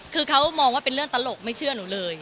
คือเขามองว่าเป็นเรื่องตลกไม่เชื่อหนูเลย